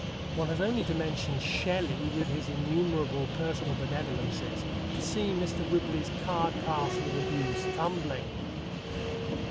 One has only to mention Shelley with his innumerable personal benevolences to set Mr. Whibley's card castle of abuse tumbling.